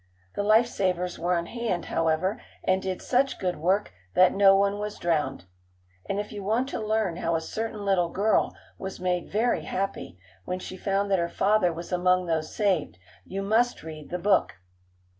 The life savers were on hand, however, and did such good work that no one was drowned. And if you want to learn how a certain little girl was made very happy, when she found that her father was among those saved, you must read the book.